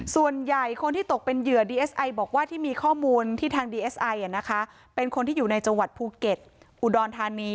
ส่วนใหญ่คนที่ตกเป็นเหยื่อดีเอสไอบอกว่าที่มีข้อมูลที่ทางดีเอสไอเป็นคนที่อยู่ในจังหวัดภูเก็ตอุดรธานี